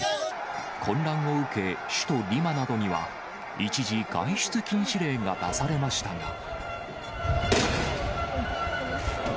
混乱を受け、首都リマなどには、一時外出禁止令が出されましたが。